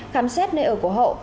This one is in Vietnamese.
khám xét nơi ở của hậu